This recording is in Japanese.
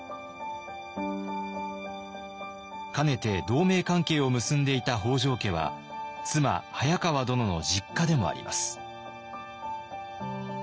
かねて同盟関係を結んでいた北条家は妻早川殿の実家でもあります。